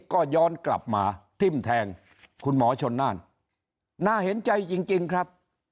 ก็ย้อนกลับมาทิ้มแทงคุณหมอชนน่านน่าเห็นใจจริงครับ